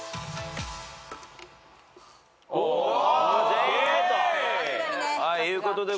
全員Ａということで。